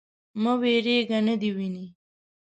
_مه وېرېږه. نه دې ويني.